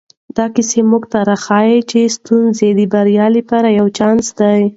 دا کیسه موږ ته راښيي چې ستونزې د بریا لپاره یو چانس دی.